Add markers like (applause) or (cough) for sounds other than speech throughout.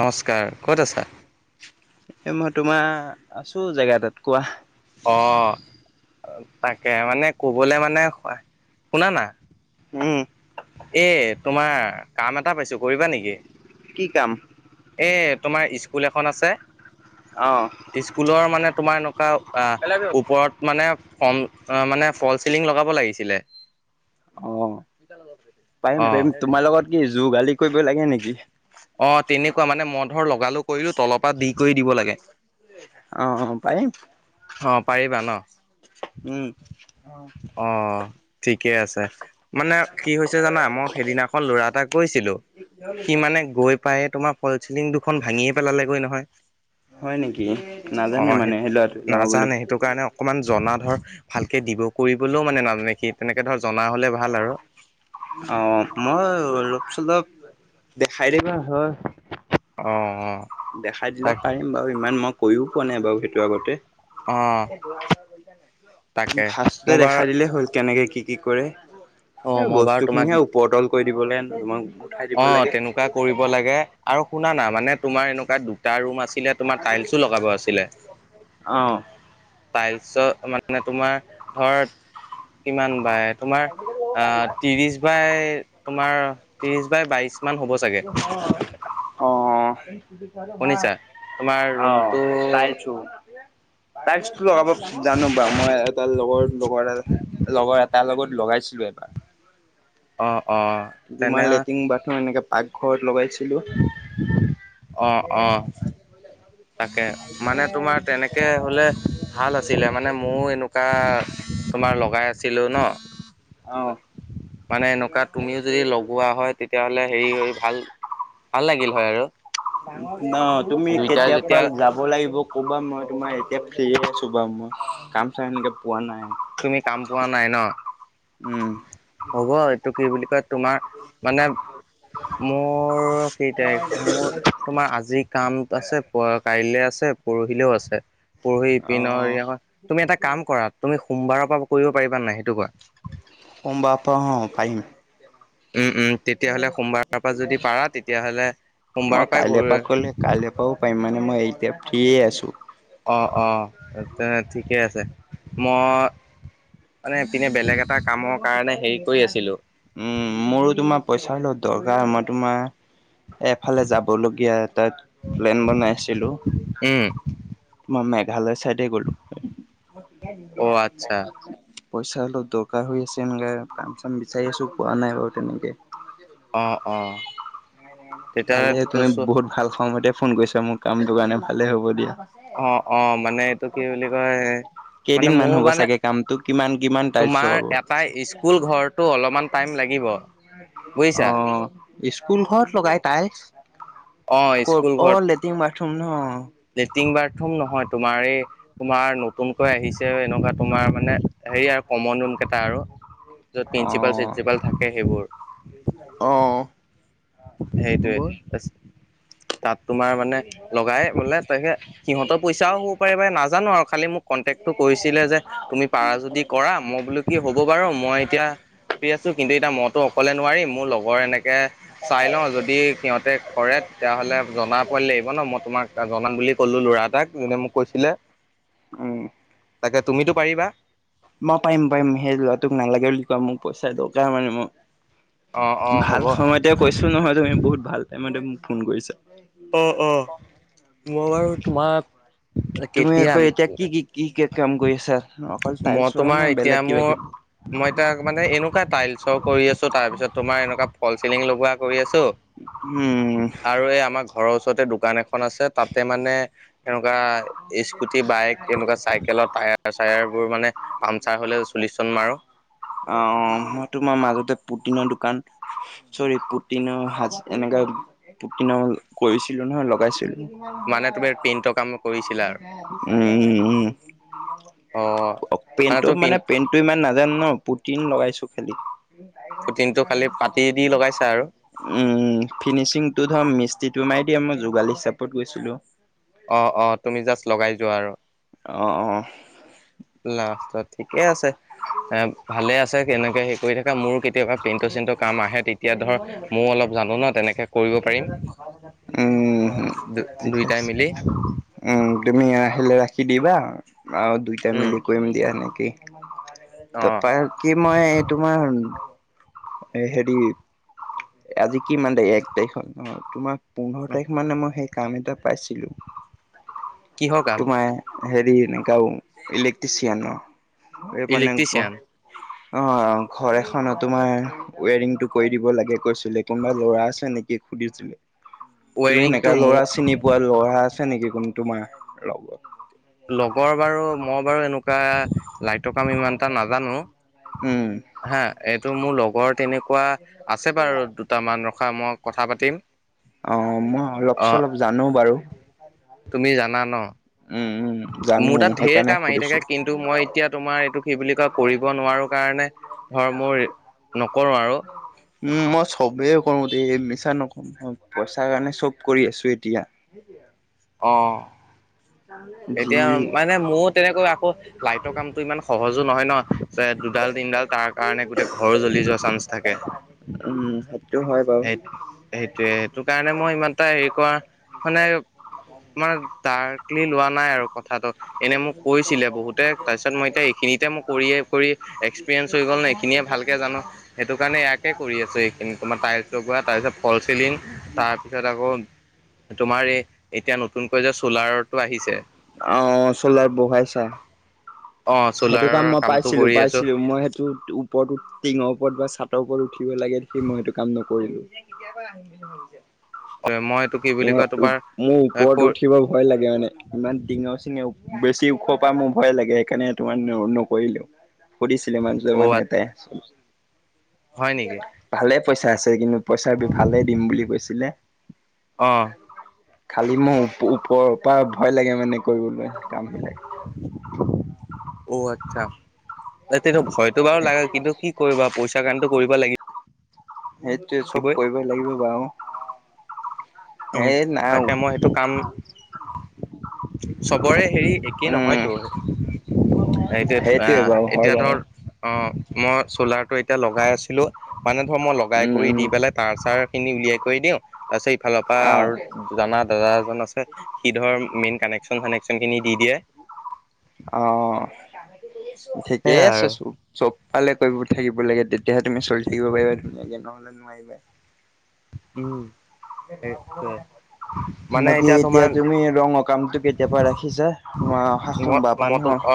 নমস্কাৰ ক'ত আছা? এ মই তোমাৰ আছো জেগা এটাত কোৱা। অ', তাকে মানে ক'বলে মানে, শুনা না। উম, এ তোমাৰ কাম এটা পাইছো কৰিবা নেকি? কি কাম? এ তোমাৰ স্কুল এখন আছে অ'। স্কুলৰ মানে তোমাৰ এনেকুৱা আ, ওপৰত মানে ফম অ, মানে ফল চিলিং লগাব লাগিছিলে। অ', অ'। পাৰিম-পাৰিম তোমাৰ লগত কি যোগালি কৰিব লাগে নেকি। অহ, তেনেকুৱা মানে মই ধৰা লগালো কৰিলো তলৰ পৰা দি কৰি দিব লাগে। অ', অ', পাৰিম। হ, পাৰিবা ন? উম, অ' ঠিকে আছে মানে কি হৈছে জানা মই সেইদিনাখন ল'ৰা এটাক কৈছিলো সি মানে গৈ পায়ে তোমাৰ ফলচিলিং দুখন ভাঙিয়ে পেলালেগৈ নহয়। হয় নেকি নাজানে মানেই সেই লৰাটোই। নাজানে সেইটো কাৰণে অকমান জনা ধৰ ভালকে দিব কৰিবলৈও মানে নাজানে সি তেনেকে ধৰ জনা হলে ভাল আৰু অ, মই (unintelligible) আ (unintelligible) দেখাই দিবা হয়। অ, অ। দেখাই দিলে তাক পাৰিম বাৰু। ইমান মই কৰিও পোৱা নাই বাৰু সেইটো আগতে। অ তাকে ফাষ্টতে মই বাৰ দেখাই দিলেই হ'ল, কেনেকে কি। কি কৰে অ এই মই বাৰু বস্তু তোমাক খিনিহে ওপৰতল কৰি দিব লাগে (unintelligible) অ, লাগে। তেনেকুৱা কৰিব লাগে আৰু শুনা না মানে তোমাৰ এনেকুৱা দুটা ৰুম আছে। ছিলে তোমাৰ টাইলছো লগাব আছিলে। অ'। টাইলছৰ মানে তোমাৰ ধৰ কিমান বাই। তোমাৰ আহ ত্ৰিশ বাই তোমাৰ ত্ৰিছ বাই বাইছ মান হ'ব চাগে। অ' শুনিছা তোমাৰ অ' ৰুমটো চাইছোঁ অ'। তাইলছটো লগাব জানোঁ বা মই এটা লগৰ লগৰ লগৰ এটাৰ লগত। লগাইছিলোঁ এবাৰ। অ'। অ তোমাৰ তেনে লেট্ৰিন বাথৰুম এনেকে পাকঘৰত লগাই। অ - অ। তাকে, মানে তোমাৰ তেনেকে হ'লে ভাল আছিলে মানে মোৰ এনেকুৱা। তোমাৰ লগাই আছিলো ন। অ মানে এনেকুৱা তুমিও যদি লগোৱা হয় তেতিয়াহলে হেৰি ভাল। ভাল লাগিল হয় আৰু। ন তুমি দুইটাই কেতিয়া যেতিয়া পৰা যাব লাগিব, ক'বা মই তোমাৰ। এতিয়া ফিৰ আছো বাৰু মই কাম চাম এনেকে পোৱা নাই। তুমি কাম পোৱা নাই ন। উম। তোমাক মানে। মোৰ কেই তাৰিখ মোৰ তোমাৰ আজিৰ কাম আছে, প কাইলৈ আছে, পৰহিলেও আছে। পঢহি অ পিনৰ তুমি এটা কাম কৰা তুমি সোমবাৰৰ পৰা কৰিব পাৰিবা নাই সেইটো কোৱা। সোমবাৰ পৰা অ, পাৰিম। উম, উম, তেতিয়াহ'লে সোমবাৰৰ পৰা যদি পাৰা তেতিয়া হ'লে মই কালি এ পৰা কলে কালি এ পৰাও পাৰিম মানে মই এতিয়া ফ্ৰি আছো। অহ' অহ' তে ঠিকে আছে, মই। মানে পিনে বেলেগ এটা উম, কামৰ কাৰণে হেৰি কৰি আছিলো মোৰো তোমাৰ পইচা ল দৰকাৰ মই তোমাৰ। এফালে যাবলগীয়াটাত প্লেন বনাইছিলো। উম মই মেঘালয় চাইডে গলোঁ। অ আচ্ছা পইচা অলপ দৰকাৰ হৈ আছে, এনেকা কাম চাম বিচাৰি আছোঁ পোৱা নাই বাৰু তেনেকে। অহ - অহ। ভালেই তুমি বহুত ভাল সময়তে ফোন কৰিছা, মোৰ কামটো কাৰণে ভালে হ'ব দিয়া। অ - অ মানে এইটো কি বুলি কয় মানে কেইদিন মান মোৰ হ'ব মানে চাগে কামটো কিমান কিমান টাইলছ তোমাৰ লগাব এটা স্কুল ঘৰতো অলপমান টাইম লাগিব লাগিব। অ' স্কুল ঘৰৰ লগাই তাইলচ অ স্কুল ক'ত অ, ঘৰত লেট্ৰিন বাথৰুম ন। প্ৰথম নহয় তোমাৰ এই তোমাৰ নতুনকৈ আহিছে এনেকুৱা তোমাৰ মানে হেৰি আৰু কমন কেইটা আৰু য'ত অ প্ৰিঞ্চিপাল চিঞ্চিপাল থাকে সেইবোৰৰ। অ হ'ব সেইটোৱে। তাত তোমাৰ মানে লগাই বোলে তে সিহঁতৰ পইচাও হ'ব পাৰে, নাজানোঁ আৰু খালি মোক কণ্টেক্ট কৈছিলে যে তুমি পাৰা যদি কৰা, মই বোলো কি হ'ব বাৰু। মই এতিয়া পি আছোঁ। কিন্তু, এটা মদ। তো অকলে নোৱাৰিম মোৰ লগৰ এনেকৈ চাই লও যদি সিহতে কৰে ফলে জননা পোৱালি লাগিব ন মই তোমাক জনাম বুলি কলো ল'ৰা এটাক যোনে মোক কৈছিলে। উম। তাকে, তুমিতো পাৰিবা। মই পাৰিম - পাৰিম সেই ল'ৰাটোক নালাগে বুলি কোৱা মোক পইচা দৰকাৰ মানে অ অ মোক। হ'ব ভাল সময়তে কৈছো নহয় তুমি বহুত ভাল টাইমতে মোক ফোন কৰিছা অ অ মই বাৰু তোমাৰ তুমি কৌ এতিয়া কি কি কি কি কাম কৰি আছা অকল মই টাইল চৰে তোমাৰ নে এতিয়া বেলেগ কিবা মোৰ কিবি মই এ তাক মানে এনেকুৱা টাইলছৰ কৰি আছো তাৰ পিছত তোমাৰ এনেকুৱা ফল চিলিং লগোৱা কৰি আছো উম আৰু এই আমাৰ ঘৰৰ ওচৰতে দোকান এখন আছে তাতে মানে এনেকুৱা স্কুটি বাইক এনেকুৱা চাইকেলৰ টায়াৰ চায়াৰ বোৰ মানে পামচাৰ হলে চলিশন মাৰো অ মই তোমাৰ মাজতে পুটিনৰ দোকান চৰি পুটিনৰ হাজ এনেকাে পু ন কৰিছিলো নহয় লগাইছিলো মানে তুমি পেইণ্টৰ কাম কৰিছিলা আৰু উম, উম, উম। অ পেণ্টৰ তুমি পিন মানে পেণ্টটো ইমান নাজানো ন পুটিন লগাইছো খালি ফিটিংটো খালি পাতি দি লগাইছা আৰু উম ফিনিচিং ধৰ মি্তিটো মাৰি দিয়া মই যোগালী হিচাপত গৈছিলো অ অ তুমি জাষ্ট লগাই যোৱা আৰু অঁ অঁ লাষ্ট ঠিকে আছে এ ভালে আছে কেনেকে হে কৰি থাকে মোৰ কেতিয়াবা প্ৰিট চিট কাম আহে তেতিয়া ধৰ মোৰ ম অলপ জানো ন তেনেকে কৰিব পাৰিম উম দু ঠিকে দুইটাই আছে। মিলি উম তুমি আহে ৰাখি দিবা আৰু দুইটাাই উম মিলি কৰিম দিয়া সেনেকেই অ তাৰপৰা কি মই এই তোমাৰ? এ হেৰি আজি কি মান দে এক তাৰিখত অ তোমাক পোন্ধৰ তাৰিখ মানে মই সেই কাম এটা পাইছিলো কি হকাম তোমাৰ হেৰি এনেকাও ইলেক্ট্ৰিচিয়ান এই মানে অ ইলেক্ট্ৰিচিয়ান অ ঘৰ এখনত তোমাৰ ৱেৰিংটো কৰি দিব লাগে কৈছিলে কোনোবা ল'ৰা আছে নেকি সুধিছিলে তুমি ৱাৰিংটো সেনেকা মোৰ লৰা চিনি পোৱা লৰা আছে নেকি কোনো তোমাৰ লগত লগৰ বাৰু মই বাৰু এনেকুৱা লাইটৰ কাম ইমান এটা নাজানো উম হা এইটো মোৰ লগৰ তেনেকুৱা আছে বাৰু দুটামান মই কথা পাতিম অ মই অলপ অ চলপ জানো বাৰু তুমি জানা ন'? উম উম জানো মোৰ তাত ঢেৰ সেইকাৰণে কাম আহি সুধিছো থাকে কিন্তু মই এতিয়া তোমাৰ এইটো কি বুলি কয় কৰিব নোৱাৰো কাৰণে ধৰ মোৰ নকৰো আৰু উম মই চবেই কৰো দ মিছা নকওঁ পইচাৰ কাৰণে চব কৰি আছো এতিয়া সেইটয়া অ যি এতিয়া মানে মোৰ তেনেকৈ আকৌ লাইটৰ কামতটো ইমান সহজো নহয় ন দুডাল দিন ডাল তাৰ কাৰণে গোটেই ঘৰো জ্বলি যোৱা চান্স থাকে উম সেইটো হয় বাৰু সেই সেইটোোৱে সেইটো কাৰণে মই ইমান এটা হেৰি কৰ মানে মানে ডাৰ্কলি লোৱা নাই আৰু কথাটোত এনে মোক কৈছিলে বহুতে তাৰপিছত মই এতিয়া এইখিনিতে মই কৰিয়ে কৰি এক্সপিৰিয়েন্ঞ্চ হৈ গ'ল ন এইখিনিয়ে ভালকে জানো সেইটো কাৰণে ইয়াকে কৰি আছো এইখিনি তোমাৰ টাইলছ লগোৱা তাৰপিছত ফলিন তাৰছ তাৰপিছত আকৌ তোমাৰ এই এতিয়া নতুনকৈ যে চলাৰটো আহিছে অ চল বহাইছা অ সেইটো কাম চ'লাৰৰ মই কামটো পাইছিলো কৰি আছো পাইছিলো মই সেইটো ওপৰতো টিঙৰ ওপৰত বা চ ৰ ওপৰত উঠিব লাগে সি মই সেইটো কাম নকৰিলো মই এইটো কি বুলি তোমাৰ কয় মোৰ ওপৰত কৰ উঠিব ভয় লাগে মানে ইমান ডিঙৰ চিঙে বেছি ওখ পাই মোৰ ভয় লাগে সেইকাৰণে তোমাৰ নকৰিলেোও সুছিলে ইমান যোৰ অ মানুহটাই হয় নেকি ভালে পইচা আছে কিন্তু পইচা ভালে দিম বুলি কৈছিলে? অ'। খালি মোৰ ওপৰপা ভয় লাগে মানে কৰিবলৈ কামবিলাক। অ আচ্ছা তাতেনো ভয়তটো বাৰু লাগে কিন্তু কি কৰিবা পইচা কাণেটো কৰিব লাগিব সেইটোৱে চব কৰিবই লাগিব বাৰু। উম এই নাই তাকে মই সেইটো কাম চবৰে হেৰি একেই উম নহয়তো। হেইটোৱেটো সেইটোৱে অহ বাৰু হয় এতিয়া ধৰ বাৰু। অ মই চ'লাৰটো এতিয়া লগাই আছিলোঁ মানে ধৰক মই লগাই উম কৰি উম দি পেলাই তাৰ চাৰ খিনি উলিয়াই কৰি দিওঁ তাৰ পিছত ইফালৰ পৰা আহ আৰু জাত দাদা এজন আছে সি ধৰ মেইন কানেকচন চানেকচন খিনি দি দিয়ে। অ ঠিকেই সেয়াই আছে আৰু চব চব ফালে কৰিব থাকিব লাগে তেতিয়াহে তুমি চলি থাকিব পাৰিবা ধুনীয়াকে নহলে নোৱাৰিবা। উম এ গৰ (unintelligible) সেইটোৱে মানে বাকী এতিয়া তোমাৰ তুমি ৰঙৰ কামটো কেতিয়া পা ৰাখিছা মই সোমবাৰ পৰা মই তো ন? অ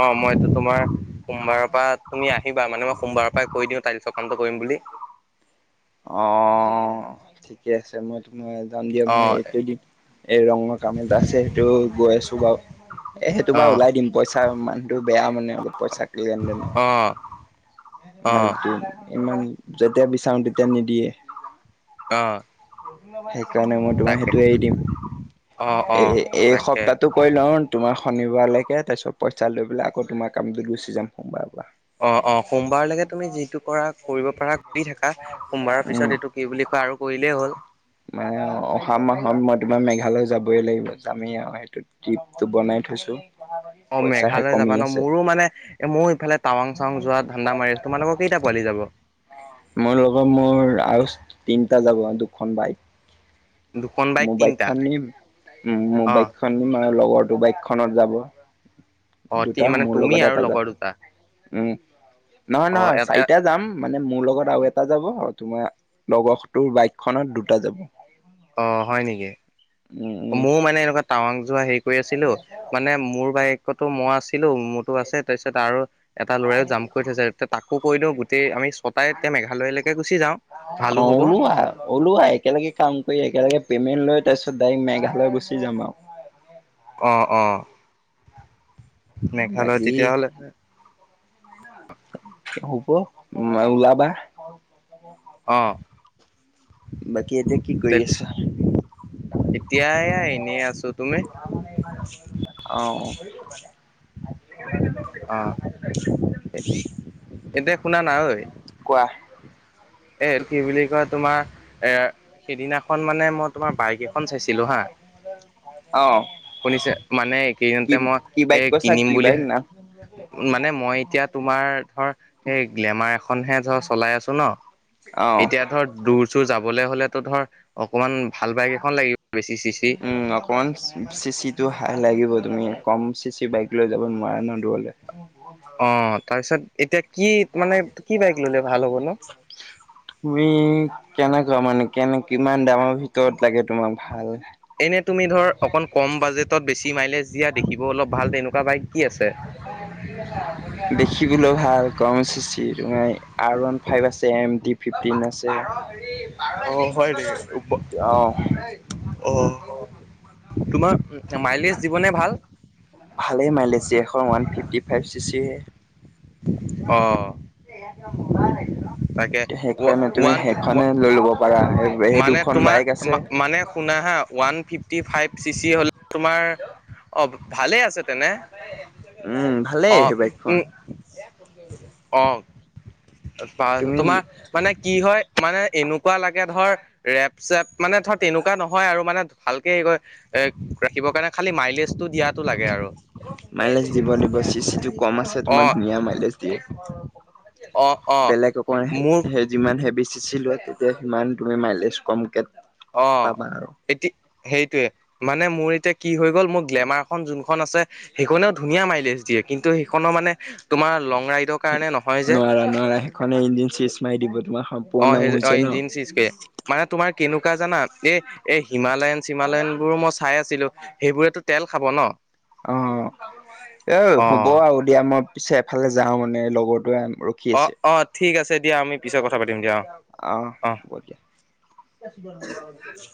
অ মইটো তোমাৰ সোমবাৰৰ পৰা তুমি আহিবা মানে মই সোমবাৰৰ পৰাই কৈ দিওঁ তাইলচৰ কামটো কৰিম বুলি অ', ঠিকে আছে মই তোমাৰ যাম দিয়া অ মই এইেইদম (unintelligible) এই ৰঙৰ কামিলা আছে সেইটো গৈ আছো বাৰু এ সেইটো বা অ ওলাই দিম পইচা মানটো এয়া মানে পইচা লেন দেনৰ অ অ মালটো ইমান যেতিয়া বিচাৰো তেতিয়া নিদিয়ে আহ সেইকাৰণে মই তোমাক সেইটো এৰি দিম অ অ এ এই তাকে সপ্তাহটো কৰি লওঁ তোমাৰ শনিবাৰলৈকে তাৰপিছত পইচা লৈ পেলাই আকৌ তোমাৰ কামটোত গুচি যাম সোমবাৰ অ', অ', সোমবাৰলৈকে তুমি যিটো কৰা কৰিব পাৰা কৰি থাকা সোমবাৰৰ পিছত উম। এইটো কি বুলি ক আৰু কৰিলেই হ'ল মে অ অহা মাহত মই তোমাৰ মেঘালয় যাবই লাগিব যামি আৰু সেইটো ট্ৰিপটো বনাই থৈছোঁ। অ' মেঘালয় যাবা ন মোৰো মানে এ মোৰ ইফালে টাৱাং চাৱং যোৱা ধান্দা মাৰি আছো, তোমালোকৰ কেইটা পোৱালি যাব? মোৰ লগত মোৰ, আৰু তিনিটা যাব দুখন বাইক। দুখন বাইক মোৰ তিনটা বাইকখন নিম মোৰ অ বাইকখন নিম লগৰটো বাইকখনত যাব অ দুটা মানে মোৰ তুমি লগত আৰু এটা যা লগৰ দুটা উম নহয় অ নহয় এ চাৰিটা যাম মানে মোৰ লগত। লগত আৰু এটা যাব আৰু তোমাৰ লগৰটোৰ বাইকখনত দুটা যাব। অ হয় নিকি উম উম মও মানে এনেকুৱা টাৱাং যোৱা হেৰি কৰি আছিলো মানে মোৰ বাইকতো মই আছ ছিলো মোৰতো আছে তাৰপিছত আৰু এটা ল'ৰাইও জাম কৰি থৈছে তাকো কৈ দিওঁ গোটেই আমি ছটাই মেঘালয়লৈকে গুচি যাওঁ অ', ভালো হ'ব ওলোৱা ওলোৱা একেলগে কাম কৰি একেলগে পে'মেণ্ট লৈ তাৰপিছত ডাইৰেক্ট মেঘালয় গুচি যাম আৰু। অ', অ', মেঘালয় বাকী তেতিয়াহ'লে হ'ব উম ওলাবা অহ বাকী এতিয়া কি কৰি আছো? এতিয়াই এনেই আছো, তুমি? অঁ অ এতিয়া শুনা না ঐ (unintelligible) এ, কি বুলি কয়? তোমাৰ এ সিদিনাখন মানে, মই তোমাৰ বাইক এখন চাইছিলোঁ হা। অ শুনিছে? মানে, কি কেইদিনতে মই কি বাইক এই কৈছা কিনিম কি বুলি বাইক না মানে মই এতিয়া তোমাৰ ধৰ এই গ্লেমাৰ এখনহে ধৰ চলাই আছো ন'। অ এতিয়া ধৰ দূৰ-চুৰ যাবলে হলেতো ধৰ অকমান ভাল বাইক এখন লাগিব বেছি চিচি উম, অকমান চিচিটো হাই লাগিব। তুমি কম চিচি বাইক লৈ যাব নোৱাৰা ন দূৰলে। অ', তাৰপিছত এতিয়া কি (unintelligible) মানে কি বাইক ললে ভাল হ'ব নো কেনেকুৱা মানে কেনে কিমান দামৰ ভিতৰত লাগে তোমাক ভাল? এনে তুমি ধৰ অকণ কম বাজেটত বেছি মাইলেজ দিয়া দেখিব অলপ ভাল তেনেকুৱা বাইক। কি আছে দেখিবলও ভাল কম চিচিৰ। (unintelligible) আৰ ওৱান ফাইভ আছে এম ডি ফিফটিন আছে। অ হয় নেকি (unintelligible) অ', অ তোমাৰ মাইলেজ দিবনে ভাল? তোমাৰ ৱান ফিফটি ফাইভ চিচি হে। অঁ। মজাই লাগে ন'? তাকে ওৱান ল'ব পাৰা সেই মানে দুখন তোমাৰ বাইক আছে মানে শুনা হা। One fifty five C C হ'লে তোমাৰ, অ, ভালে আছে। তেনে উম, ভালেই অ' সেই বাইকখন। অঁ। অ' পা তুমি তোমাৰ মানে কি হয় মানে, এনেকুৱা লাগে ধৰ ৰেপ চোৱা মানে ধৰ তেনেকুৱা নহয় আৰু মানে ভালকে হে কয় এ ৰাখিবৰ কাৰণে খালি মাইলেজটো দিয়াটো লাগে আৰু। মাইলেজ দিব দিব চি চিটো কম আছে তোমাৰ অ' ধুনীয়া মাইলেজ অ' অ' বেলেগ অকণ মোৰ যিমান হেবি চি লোৱা তেতিয়া সিমান তুমি মাইলেজ কমকে অ, পাবা আৰু এতি সেইটোৱে মানে মোৰ এতিয়া কি হৈ গ'ল মোৰ গ্লেমাৰ খন যোনখন আছে সেইখনেও ধুনীয়া মাইলেজ দিয়ে। কিন্তু সেইখনৰ মানে তোমাৰ লং ৰাইডৰ কাৰণে নহয় যে নোৱাৰা নোৱাৰা সেইখনে ইঞ্জিন চিচ মাৰ দিব। তোমাৰ অ সম্পূৰ্ণ সে অ হৈছে ন ইন্জিনচিচকে মানে তোমাৰ কেন কেনেকুৱা জানা এই এ হিমালয়ন চিমালয়ন বোৰো মই চাই আছিলো, সেইবোৰেতো তেল খাব ন'! অ এ অ হ'ব আৰু দিয়া মই পিছে এফালে যাও মানে লগৰটোৱে ৰখি অ, আছে অ ঠিক আছে দিয়া আমি পিছত কথা পাতিম দিয়া অ' অ'। হ'ব দিয়া (unintelligible)